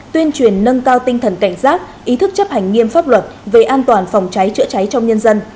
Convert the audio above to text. tuyên truyền nâng cao tinh thần cảnh giác ý thức chấp hành nghiêm pháp luật về an toàn phòng cháy chữa cháy trong nhân dân